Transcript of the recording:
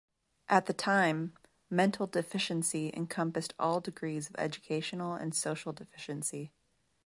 At the time, "mental deficiency" encompassed all degrees of educational and social deficiency.